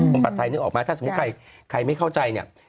คุณผัดไทยนึกออกไหมถ้าสมมุติใครไม่เข้าใจเนี่ย